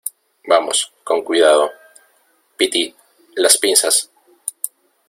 vamos, con cuidado. piti , las pinzas .